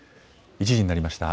１時になりました。